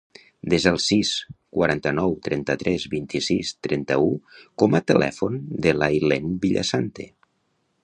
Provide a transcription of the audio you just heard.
Desa el sis, quaranta-nou, trenta-tres, vint-i-sis, trenta-u com a telèfon de l'Aylen Villasante.